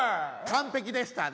完璧でしたね。